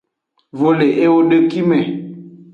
Vo le ewodeki me.